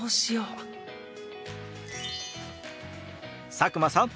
佐久間さん